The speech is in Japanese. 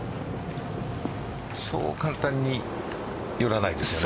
そう簡単に寄らないですよね。